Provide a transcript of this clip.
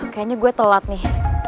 kayaknya gue telat nih